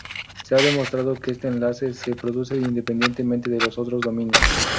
Se ha demostrado que este enlace se produce independientemente de los otros dominios.